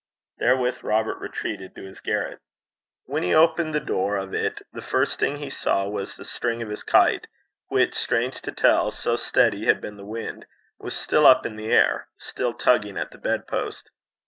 Therewith Robert retreated to his garret. When he opened the door of it, the first thing he saw was the string of his kite, which, strange to tell, so steady had been the wind, was still up in the air still tugging at the bedpost.